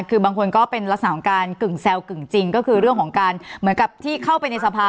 คือบางคนก็เป็นลักษณะของการกึ่งแซวกึ่งจริงก็คือเรื่องของการเหมือนกับที่เข้าไปในสภา